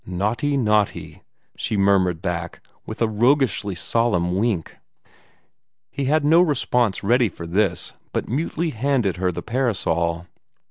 "Naughty! naughty!" she murmured back, with a roguishly solemn wink. He had no response ready for this, but mutely handed her the parasol.